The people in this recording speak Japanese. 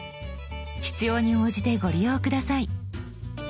必要に応じてご利用下さい。